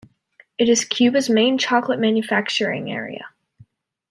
It is Cuba's main chocolate manufacturing area.